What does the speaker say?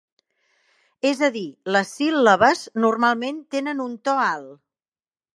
És a dir, les síl·labes normalment tenen un to alt.